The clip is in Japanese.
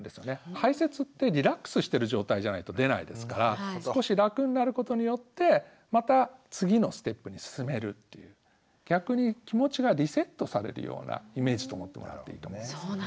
排泄ってリラックスしてる状態じゃないと出ないですから少し楽になることによってまた次のステップに進めるっていう逆に気持ちがリセットされるようなイメージと思ってもらうといいと思いますね。